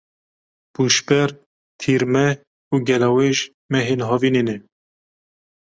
Pûşber, Tîrmeh û Gelawêj mehên havînê ne.